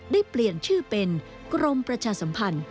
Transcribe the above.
ได้เปลี่ยนชื่อเป็นกรมประชาสัมพันธ์